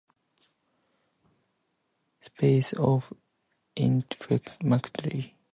Spaces of Intimacy.